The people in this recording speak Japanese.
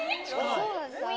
そうなんです。